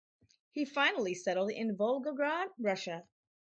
He finally settled in Volgograd, Russia.